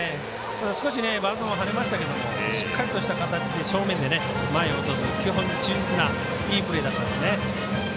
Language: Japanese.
少し、バウンドが跳ねましたけどしっかりとした形で正面で、前に落とす基本に忠実ないいプレーだったですね。